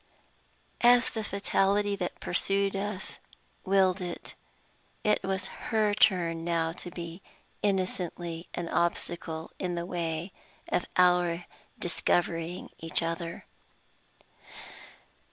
As the fatality that pursued us willed it, it was her turn now to be innocently an obstacle in the way of our discovering each other.